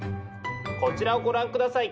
こちらをご覧下さい。